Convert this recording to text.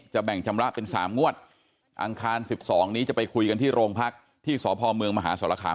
แบ่งชำระเป็น๓งวดอังคาร๑๒นี้จะไปคุยกันที่โรงพักที่สพเมืองมหาสรคาม